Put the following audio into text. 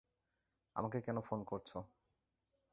আমাকে কেন ফোন করছো?